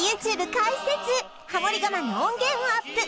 ＹｏｕＴｕｂｅ開設ハモリ我慢の音源をアップ